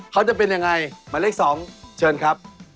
เขาจะเป็นยังไงหมายเลข๒เชิญครับ